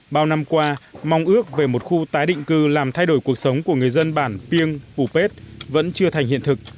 bao năm qua mong ước về một khu tái định cư làm thay đổi cuộc sống của người dân bản piêng phủ pet vẫn chưa thành hiện thực